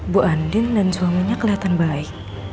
bu andin dan suaminya kelihatan baik